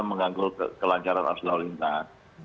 mengganggu kelancaran ars lau lintas